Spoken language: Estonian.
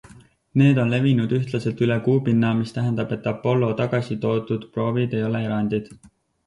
Need on levinud ühtlaselt üle Kuu pinna, mis tähendab, et Apollo tagasi toodud proovid ei ole erandid.